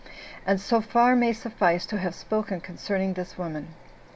And so far may suffice to have spoken concerning this woman.